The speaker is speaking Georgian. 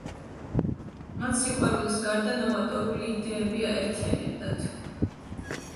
მათ სიყვარულის გარდა ნოვატორული იდეები აერთიანებდათ.